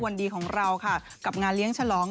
ดีของเราค่ะกับงานเลี้ยงฉลอง